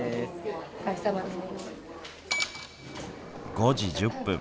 ５時１０分。